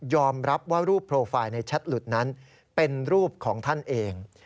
รับว่ารูปโปรไฟล์ในแชทหลุดนั้นเป็นรูปของท่านเอง